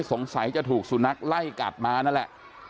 สงสัยจะถูกสุนัขไล่กัดมานั่นแหละ